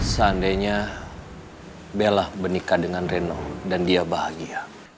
seandainya bela menikah dengan reno dan dia bahagia